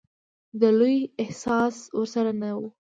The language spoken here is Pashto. د لويي احساس ورسره نه وي.